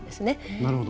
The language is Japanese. なるほど。